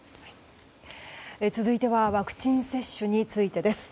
続いてはワクチン接種についてです。